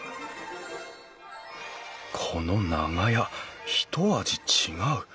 この長屋ひと味違う。